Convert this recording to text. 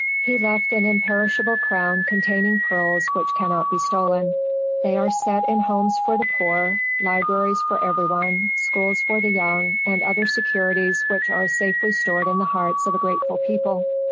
He left an imperishable crown containing pearls which cannot be stolen. They are set in homes for the poor, libraries for every one, schools for the young, and other securities which are safely stored in the hearts of a grateful people.